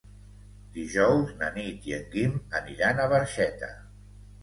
Dijous na Nit i en Guim aniran a Barxeta.